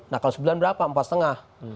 nah kalau sembilan berapa empat lima